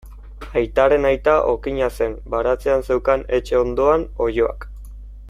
Aitaren aita okina zen, baratzea zeukan etxe ondoan, oiloak.